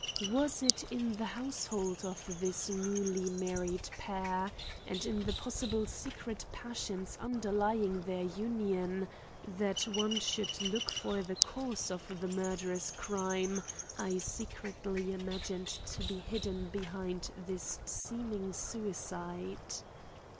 Was it in the household of this newly married pair and in the possible secret passions underlying their union that one should look for the cause of the murderous crime I secretly imagined to be hidden behind this seeming suicide?